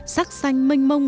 sắc xanh mênh mông